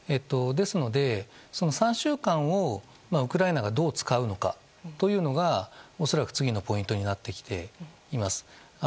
ですので、３週間をウクライナがどう使うのかというのが恐らく、次のポイントになってきています。